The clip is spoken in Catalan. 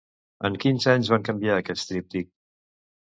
En quins anys van canviar aquest tríptic?